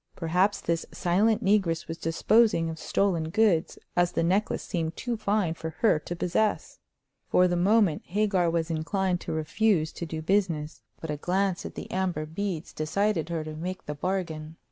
Perhaps this silent negress was disposing of stolen goods, as the necklace seemed too fine for her to possess. For the moment Hagar was inclined to refuse to do business; but a glance at the amber beads decided her to make the bargain.